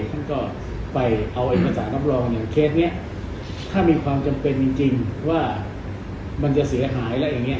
ท่านก็ไปเอาเอกสารรับรองอย่างเคสนี้ถ้ามีความจำเป็นจริงว่ามันจะเสียหายแล้วอย่างนี้